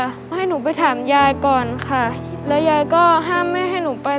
ก็ให้หนูไปถามยายก่อนค่ะแล้วยายก็ห้ามแม่ให้หนูไป